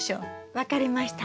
分かりました。